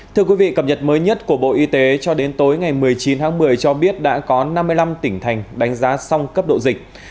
thưa quý vị cập nhật mới nhất của bộ y tế cho đến tối ngày một mươi chín tháng một mươi cho biết đã có năm mươi năm tỉnh thành đánh giá xong cấp độ dịch